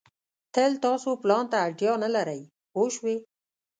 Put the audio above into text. تل تاسو پلان ته اړتیا نه لرئ پوه شوې!.